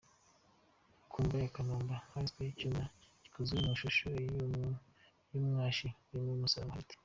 Ku mva ya Kanumba hashyizweho icyuma gikozwe mu ishusho y’umwashi urimo umusaraba hagati.